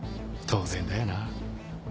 当然だよな？